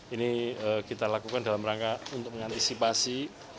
ini kita lakukan dalam rangka untuk mengantisipasi